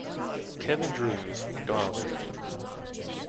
Kevin Drew's "Darlings".